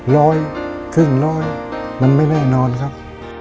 ร้อยครึ่งร้อยมันไม่แน่นอนครับ